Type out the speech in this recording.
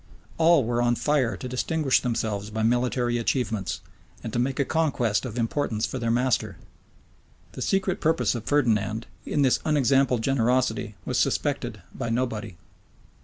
All were on fire to distinguish themselves by military achievements, and to make a conquest of importance for their master. The secret purpose of Ferdinand, in this unexampled generosity, was suspected by nobody.